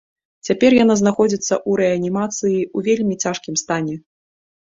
Цяпер яна знаходзіцца ў рэанімацыі ў вельмі цяжкім стане.